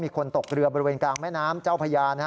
คนตกเรือบริเวณกลางแม่น้ำเจ้าพญา